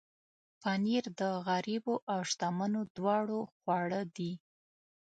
پنېر د غریبو او شتمنو دواړو خواړه دي.